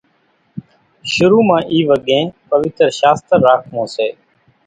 شرُو مان اِي وڳين پويتر شاستر راکوون سي